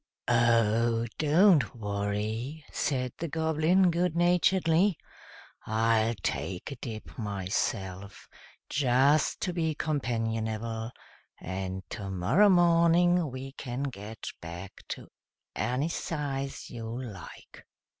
"Oh! don't worry," said the Goblin, good naturedly. "I'll take a dip myself, just to be companionable, and tomorrow morning we can get back to any size you like."